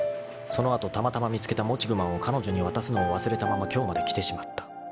［その後たまたま見つけたモチグマンを彼女に渡すのを忘れたまま今日まできてしまった］